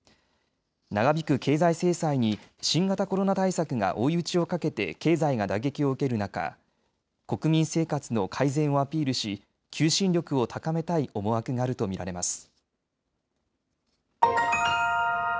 長引く経済制裁に新型コロナ対策が追い打ちをかけて経済が打撃を受ける中、国民生活の改善をアピールし求心力を高めたい思惑があると見られます。